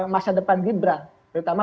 masa depan gibran terutama